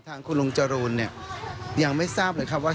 ทางคุณลุงจรูนเนี่ยยังไม่ทราบเลยครับว่า